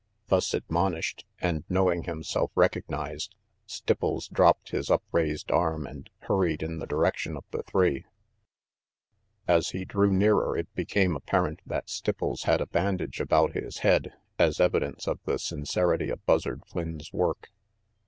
Thus admonished and knowing himself recognized, Stipples dropped his upraised arm and hurried in the direction of the three. RANGY PETE 223 As he drew nearer it became apparent that Stipples had a bandage about his head, as evidence of the sincerity of Buzzard Flynn's work.